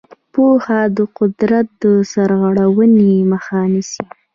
پوهه د قدرت د سرغړونې مخه نیسي.